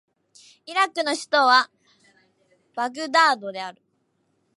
イラクの首都はバグダードである